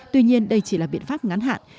tuy nhiên đây chỉ là biện pháp ngắn hạn